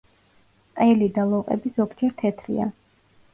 ყელი და ლოყები ზოგჯერ თეთრია.